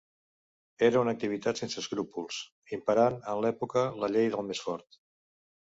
Era una activitat sense escrúpols, imperant en l'època la llei del més fort.